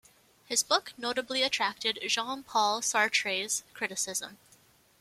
His book notably attracted Jean-Paul Sartre's criticism.